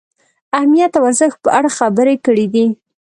اهمیت او ارزښت په اړه خبرې کړې دي.